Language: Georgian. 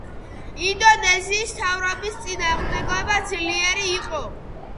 ინდონეზიის მთავრობის წინააღმდეგობა ძლიერი იყო.